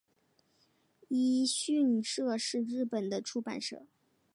一迅社是日本的出版社。